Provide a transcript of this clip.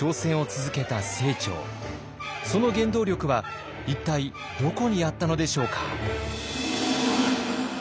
その原動力は一体どこにあったのでしょうか。